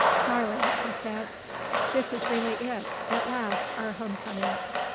"Darling," he said, "this is really it at last our home coming."